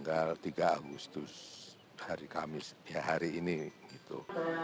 hari kamis ya hari ini gitu